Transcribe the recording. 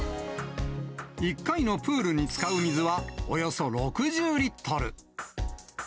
１回のプールに使う水はおよそ６０リットル。